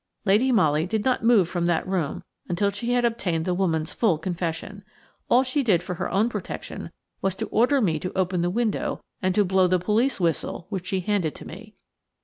Lady Molly did not move from that room until she had obtained the woman's full confession. All she did for her own protection was to order me to open the window and to blow the police whistle which she handed to me.